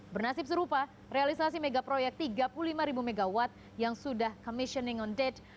bernasib serupa realisasi megaproyek tiga puluh lima mw yang sudah commissioning on date